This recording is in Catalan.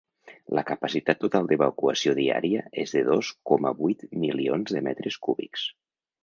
La capacitat total d’evacuació diària és de dos coma vuit milions de metres cúbics.